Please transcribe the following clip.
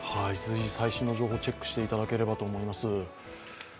随時、最新の情報をチェックしていただければと思います。